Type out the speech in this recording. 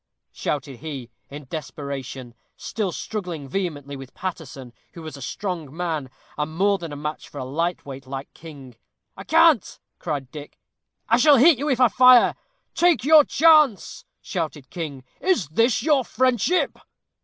shouted he, in desperation, still struggling vehemently with Paterson, who was a strong man, and more than a match for a light weight like King. "I can't," cried Dick; "I shall hit you, if I fire." "Take your chance," shouted King. "Is this your friendship?"